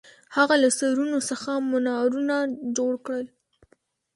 هغه له سرونو څخه منارونه جوړ کړل.